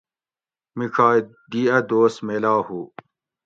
میڄائ دی اۤ دوست میلا ہُو